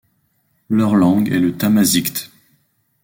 Leur langue est le tamazight.